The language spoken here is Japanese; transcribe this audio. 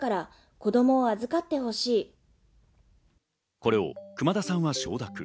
これを熊田さんは承諾。